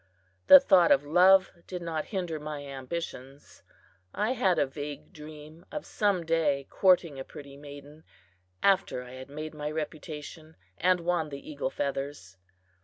The thought of love did not hinder my ambitions. I had a vague dream of some day courting a pretty maiden, after I had made my reputation, and won the eagle feathers.